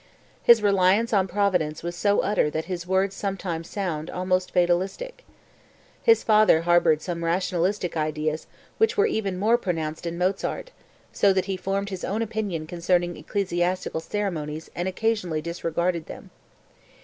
His reliance on Providence was so utter that his words sometimes sound almost fatalistic. His father harbored some rationalistic ideas which were even more pronounced in Mozart, so that he formed his own opinion concerning ecclesiastical ceremonies and occasionally disregarded them.